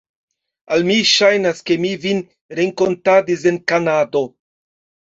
Al mi ŝajnas, ke mi vin renkontadis en Kanado.